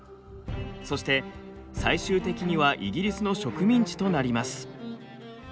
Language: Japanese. そして最終的にはイギリスの植民地となります。